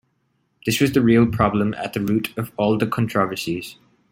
This was the real problem at the root of all the controversies.